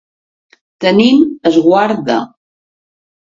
Tenint esguard de.